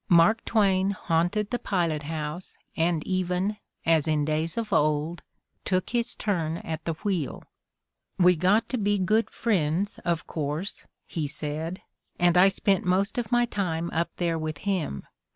Mark Twain haunted the pilot house and even, as in days of old, took his turn at the wheel. "We got to be good friends, of course," he said, "and I spent most of my time up there with him.